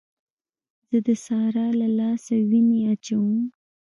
زه د سارا له لاسه وينې اچوم.